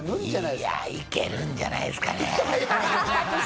いや、いけるんじゃないですかね。